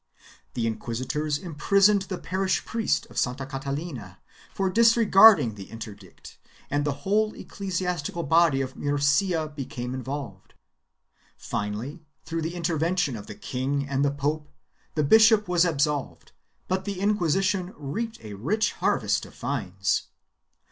The inquisitors imprisoned the parish priest of Santa Catalina for disregarding the interdict and the whole ecclesiastical body of Murcia became involved. Finally, through the intervention of the king and the pope, the bishop was absolved, but the Inquisi tion reaped a rich harvest of fines.